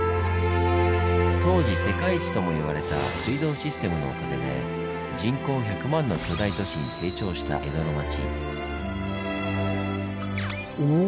当時世界一とも言われた水道システムのおかげで人口１００万の巨大都市に成長した江戸の町。